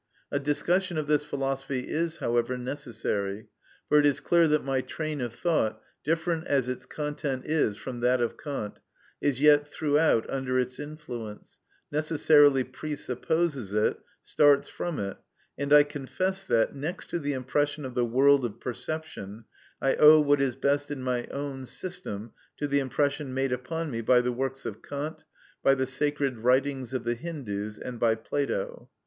A discussion of this philosophy is, however, necessary, for it is clear that my train of thought, different as its content is from that of Kant, is yet throughout under its influence, necessarily presupposes it, starts from it; and I confess that, next to the impression of the world of perception, I owe what is best in my own system to the impression made upon me by the works of Kant, by the sacred writings of the Hindus, and by Plato.